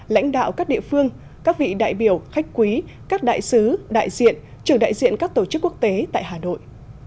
lãnh đạo các địa phương các vị đại biểu khách quý các đại sứ đại diện trưởng đại diện các tổ chức quốc tế tại hà nội